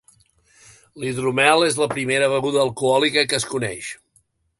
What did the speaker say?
L'hidromel és la primera beguda alcohòlica que es coneix.